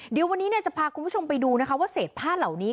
เดี๋ยววันนี้จะพาคุณผู้ชมไปดูนะคะว่าเศษผ้าเหล่านี้